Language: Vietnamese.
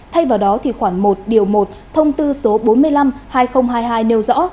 thay vào đó thì khoảng một điều một thông tư số bốn mươi năm hai nghìn hai mươi hai nêu rõ